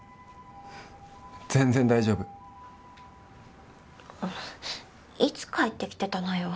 全然大丈夫いつ帰ってきてたのよ？